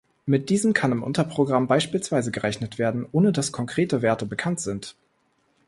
Mit diesen kann im Unterprogramm beispielsweise gerechnet werden, ohne dass konkrete Werte bekannt sind.